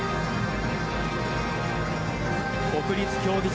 国立競技場